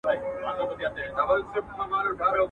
چي مور ئې بټېرۍ وي، زوى ئې نه ادم خان کېږي.